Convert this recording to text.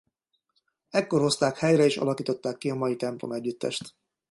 Ekkor hozták helyre és alakították ki a mai templomegyüttest.